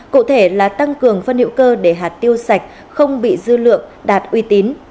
cụ thể là tăng cường phân hữu cơ để hạt tiêu sạch không bị dư lượng đạt uy tín